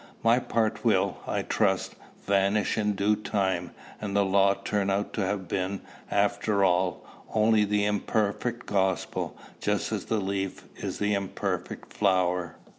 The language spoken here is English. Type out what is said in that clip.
My part will, I trust, vanish in due time, and the law turn out to have been, after all, only the imperfect gospel, just as the leaf is the imperfect flower.